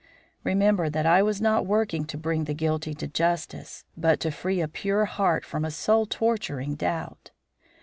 Remember that I was not working to bring the guilty to justice, but to free a pure heart from a soul torturing doubt.